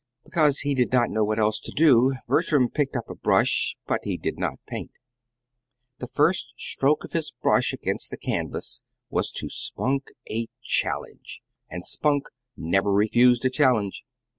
Because he did not know what else to do, Bertram picked up a brush; but he did not paint. The first stroke of his brush against the canvas was to Spunk a challenge; and Spunk never refused a challenge.